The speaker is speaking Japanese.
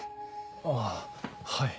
あぁはい。